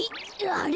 あれ？